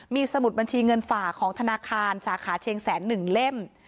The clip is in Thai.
มีสมุดบัญชีเงินฝากของธนาคารสาขาเชียงแสน๑เล่ม